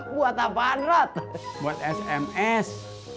buat apaan rot buat sms